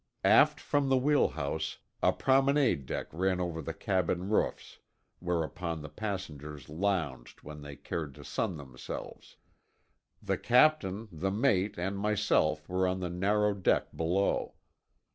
Aft from the wheel house a promenade deck ran over the cabin roofs, whereon the passengers lounged when they cared to sun themselves. The captain, the mate, and myself were on the narrow deck below.